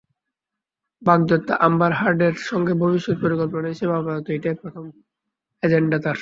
বাগদত্তা Amber হার্ডের সঙ্গে ভবিষ্যৎ পরিকল্পনা হিসেবে আপাতত এটাই প্রথম এজেন্ডা তাঁর।